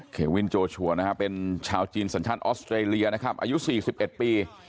เควินโจชัวร์นะฮะเป็นชาวจีนสัญชาติออสเตรเลียนะครับอายุ๔๑ปี